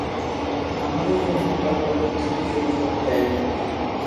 আমাদের জন্য তারা কতকিছু বিসর্জন দেয়!